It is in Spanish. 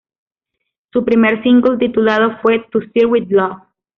Su primer single titulado fue "To Sir With Love".